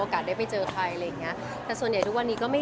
ก็จะ่านี้คือสวยดีกะ